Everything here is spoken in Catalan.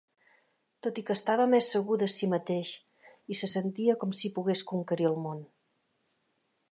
Tot i que estava més segur de si mateix i se sentia com si pogués conquerir el món.